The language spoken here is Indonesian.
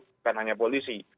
bukan hanya polisi